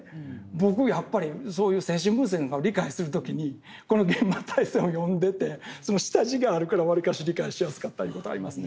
僕やっぱりそういう精神分析なんかを理解する時にこの「幻魔大戦」を読んでてその下地があるからわりかし理解しやすかったいう事ありますね。